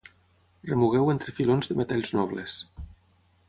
Remugueu entre filons de metalls nobles.